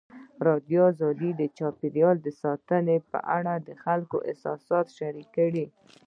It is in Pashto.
ازادي راډیو د چاپیریال ساتنه په اړه د خلکو احساسات شریک کړي.